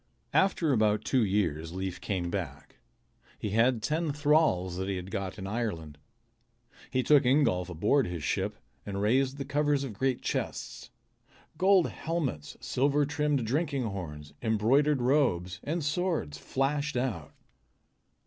After about two years Leif came back. He had ten thralls that he had got in Ireland. He took Ingolf aboard his ship and raised the covers of great chests. Gold helmets, silver trimmed drinking horns, embroidered robes, and swords flashed out.